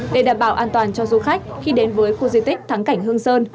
để đảm bảo an toàn cho du khách khi đến với khu di tích thắng cảnh hương sơn